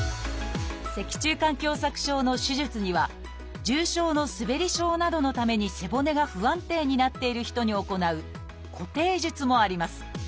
脊柱管狭窄症の手術には重症のすべり症などのために背骨が不安定になっている人に行う「固定術」もあります。